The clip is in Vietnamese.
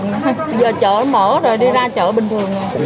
giờ chợ mở rồi đi ra chợ bình thường